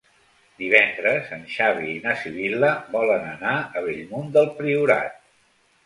Divendres en Xavi i na Sibil·la volen anar a Bellmunt del Priorat.